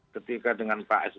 ketika dengan pak sb